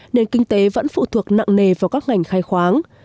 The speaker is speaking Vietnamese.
nền kinh tế vẫn phụ thuộc nặng nề vào các ngành khai khoáng